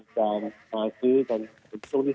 การมาซื้อตังสตรฐุนช่วงที่๓